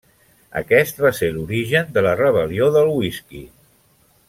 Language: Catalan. Aquest va ser l'origen de la Rebel·lió del Whisky.